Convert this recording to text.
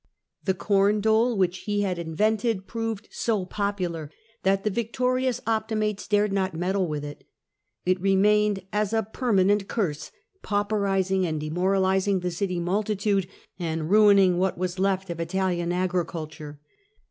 The corn dole which he had invented proved so popular that the victorious Optimates dared not meddle with it. It remained as a permanent curse, pauperising and demoralising the city multitude, and ruining what was left of Italian agriculture.